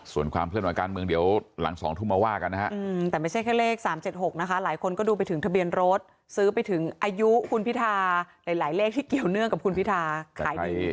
ส่วนความเคลื่อนไหวการเมืองเดี๋ยวหลัง๒ทุ่มมาว่ากันนะฮะแต่ไม่ใช่แค่เลข๓๗๖นะคะหลายคนก็ดูไปถึงทะเบียนรถซื้อไปถึงอายุคุณพิทาหลายเลขที่เกี่ยวเนื่องกับคุณพิทาขายดี